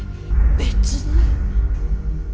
別に。